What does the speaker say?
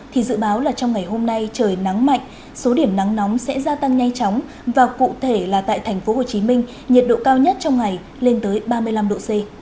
thì dự báo là trong ngày hôm nay trời nắng mạnh số điểm nắng nóng sẽ gia tăng nhanh chóng và cụ thể là tại tp hcm nhiệt độ cao nhất trong ngày lên tới ba mươi năm độ c